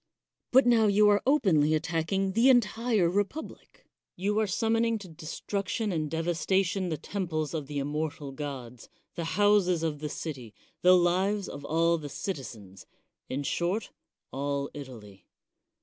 But now you are openly attack ing the entire republic. You are summoning to destruction and devas tation the temples of the immortal gods, the houses of the city, the lives of all the citizens — in short, all Italy.